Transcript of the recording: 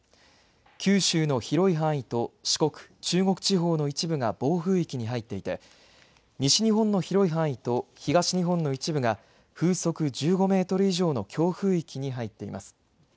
九州の広い範囲と四国、中国地方の一部が暴風域に入っていて西日本の広い範囲と東日本の一部が風速１５メートル以上の強風域に入っています。